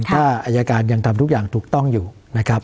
ถ้าอายการยังทำทุกอย่างถูกต้องอยู่นะครับ